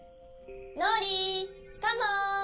のぉりカモン！